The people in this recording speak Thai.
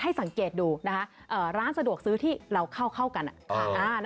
สังเกตดูนะคะร้านสะดวกซื้อที่เราเข้ากัน